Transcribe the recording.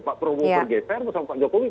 pak prabowo bergeser bersama pak jokowi